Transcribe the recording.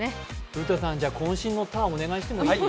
古田さん、こん身のたー、お願いしてもいい？